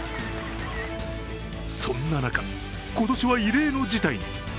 そんな中、今年は異例の事態に。